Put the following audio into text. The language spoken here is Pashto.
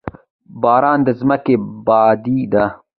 باران د ځمکې ابادي ده.